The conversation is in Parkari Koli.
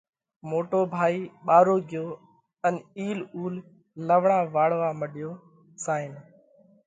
موٽو ڀائِي ٻارو ڳيو ان اِيل اُول لوَڻا واۯوَا مڏيو زائين